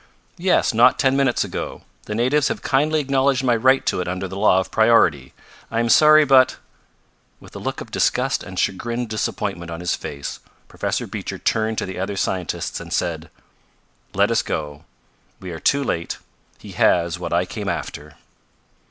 "Yes, not ten minutes ago. The natives have kindly acknowledged my right to it under the law of priority. I am sorry but " With a look of disgust and chagrined disappointment on his face, Professor Beecher turned to the other scientists and said: "Let us go. We are too late. He has what I came after."